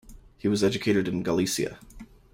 He was educated in Galicia.